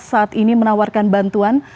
saat ini menawarkan bantuan